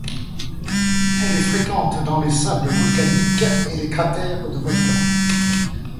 Elle est fréquente dans les sables volcaniques et les cratères de volcans.